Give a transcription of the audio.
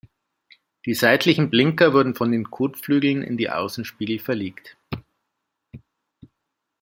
Die seitlichen Blinker wurden von den Kotflügeln in die Außenspiegel verlegt.